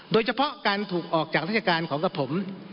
โดยเฉพาะการถูกออกจากราชการของกับผม